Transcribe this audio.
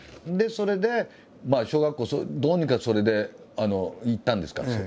それで小学校どうにかそれでいったんですか？